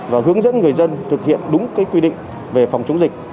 và hướng dẫn người dân thực hiện đúng cách